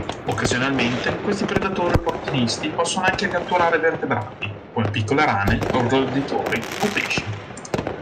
Occasionalmente questi predatori opportunisti possono catturare anche vertebrati, come piccole rane, roditori o pesci.